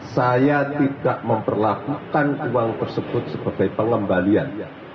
saya tidak memperlakukan uang tersebut sebagai pengembalian